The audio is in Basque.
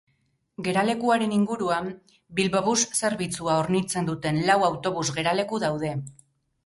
Geralekuaren inguruan Bilbobus zerbitzua hornitzen duten lau autobus geraleku daude.